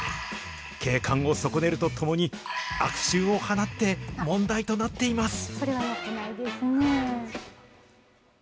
景観を損ねるとともに、悪臭を放って、問題となっています。